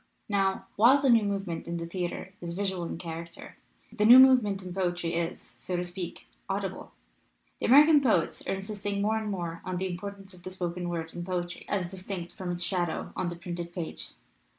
"Now, while the new movement in the theater is visual in character, the new movement in poetry is, so to speak, audible. The American poets are insisting more and more on the importance of the spoken word in poetry, as distinct from its shadow on the printed page.